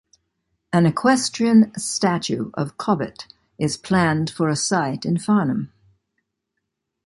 An equestrian statue of Cobbett is planned for a site in Farnham.